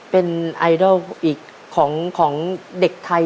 เป็นไอดอลอีกของเด็กไทย